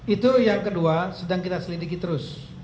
itu yang kedua sedang kita selidiki terus